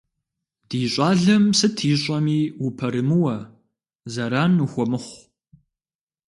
Ди щӏалэм сыт ищӏэми упэрымыуэ, зэран ухуэмыхъу.